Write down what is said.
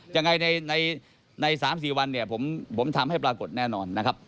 จะไงใน๓๔วันผมทำให้ปรากฏแน่นอน